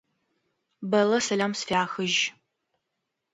Бэллэ сэлам сфяхыжь.